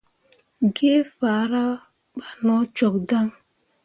Geefahra ɓah no cok dan.